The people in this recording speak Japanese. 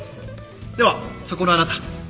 ではそこのあなた